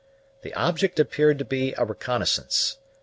The object appeared to be a reconnoissance.